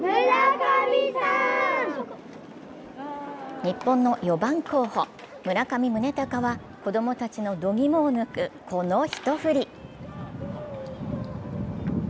日本の４番候補・村上宗隆は子供たちの度肝を抜くこの一振り。